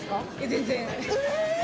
全然。